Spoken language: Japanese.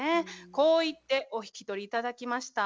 こう言ってお引き取り頂きました。